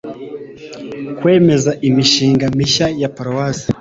Kwemeza imishinga mishya ya Paruwase